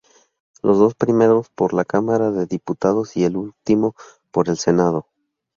Los dos primeros por la Cámara de Diputados y el último por el Senado.